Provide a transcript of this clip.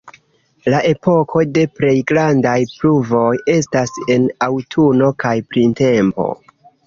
La epoko de plej grandaj pluvoj estas en aŭtuno kaj printempo.